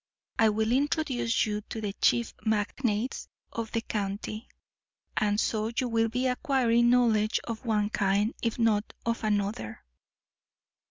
I will introduce you to the chief magnates of the county; and so you will be acquiring knowledge of one kind, if not of another."